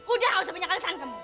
udah gak usah punya alasan kamu